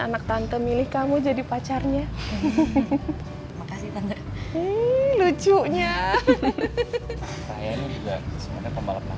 anak tante milih kamu jadi pacarnya lucunya